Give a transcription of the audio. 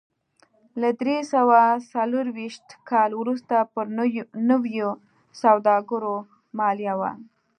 له درې سوه څلرویشت کال وروسته پر نویو سوداګرو مالیه و